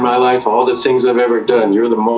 คุณคือสถานการณ์ที่สุดท้ายครับ